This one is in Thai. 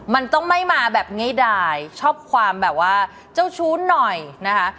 มันต้องไม่มาแบบง่ายดายชอบความแบบว่าเจ้าชู้หน่อยนะคะ